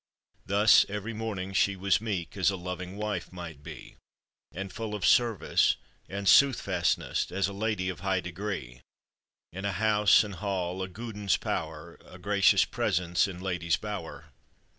Thus every morning she was meek As a loving wife might be, And full of service and soothfastness As a lady of high degree: In house and hall a guidintr power, A gracious presence in lady's bower.